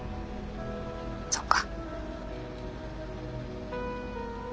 そっか。